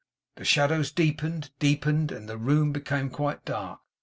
The shadows deepened, deepened, and the room became quite dark.